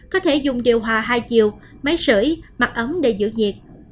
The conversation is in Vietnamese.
có thể dùng điều hòa hai chiều máy sửa mặt ấm để giữ nhiệt